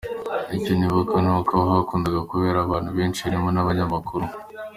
Icyo nibuka ni uko aho hakundaga kugenda abantu benshi barimo n’abanyamakuru.”